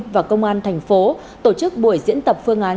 và công an tp hcm tổ chức buổi diễn tập phương án